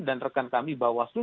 dan rekan kami bawaslu